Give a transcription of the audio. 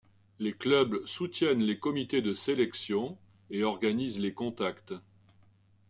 Les clubs soutiennent les comités de sélection et organisent les contacts.